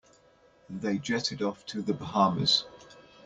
They jetted off to the Bahamas.